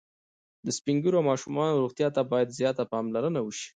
د سپین ږیرو او ماشومانو روغتیا ته باید زیاته پاملرنه وشي.